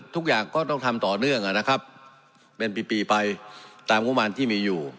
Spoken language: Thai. ทุกอย่างก็ต้องทำต่อเนื่องนะครับเป็นปีไปตามงบมารที่มีอยู่